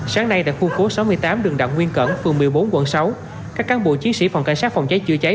sáng nay tại khu phố sáu mươi tám đường đặng nguyên cẩn phường một mươi bốn quận sáu các cán bộ chiến sĩ phòng cảnh sát phòng cháy chữa cháy